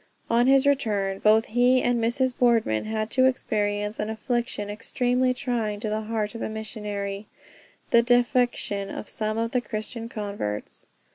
On his return, both he and Mrs. Boardman had to experience an affliction extremely trying to the heart of a missionary; the defection of some of the Christian converts.